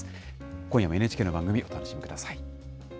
今夜もＮＨＫの番組、お楽しみください。